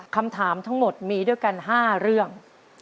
คำถามทั้งหมดมีด้วยกัน๕เรื่อง